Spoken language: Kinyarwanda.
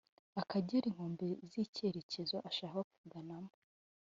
akegera inkombe z’icyerekezo ashaka kuganamo